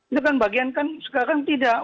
itu kan bagian kan sekarang tidak